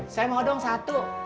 saya mau doang satu